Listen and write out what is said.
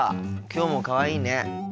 きょうもかわいいね。